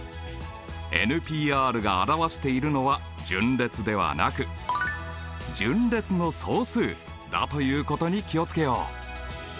Ｐが表しているのは順列ではなく順列の総数だということに気を付けよう。